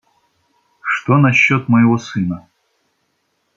Что насчет моего сына?